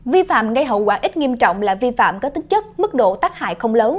vi phạm gây hậu quả ít nghiêm trọng là vi phạm có tính chất mức độ tắc hại không lớn